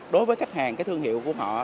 đối với khách hàng cái thương hiệu của họ